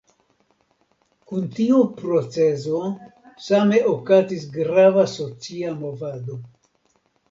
Kun tiu procezo same okazis grava socia movado.